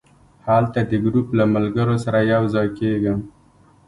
هلته د ګروپ له ملګرو سره یو ځای کېږم.